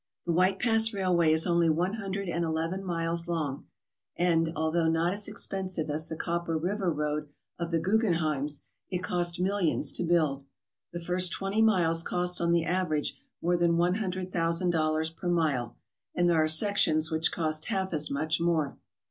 The White Pass Railway is only one hundred and eleven miles long and, although not as expensive as the Copper River road of the Guggenheims, it cost millions to build. The first twenty miles cost on the average more than one hundred thousand dollars per mile, and there are sections which cost half as much more.